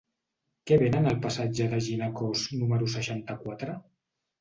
Què venen al passatge de Ginecòs número seixanta-quatre?